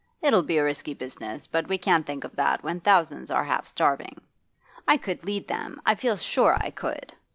It'll be a risky business, but we can't think of that when thousands are half starving. I could lead them, I feel sure I could!